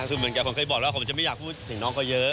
คือเหมือนกับผมเคยบอกแล้วผมจะไม่อยากพูดถึงน้องเขาเยอะ